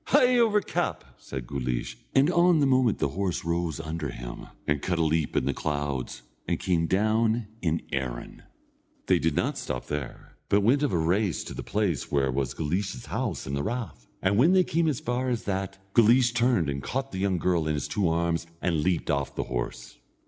"Hie over cap!" said Guleesh; and on the moment the horse rose under him, and cut a leap in the clouds, and came down in Erin. They did not stop there, but went of a race to the place where was Guleesh's house and the rath. And when they came as far as that, Guleesh turned and caught the young girl in his two arms, and leaped off the horse.